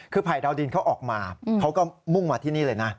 คือภัยดาวดินเขาออกมาเขาก็มุ่งมาที่นี่เลยนะ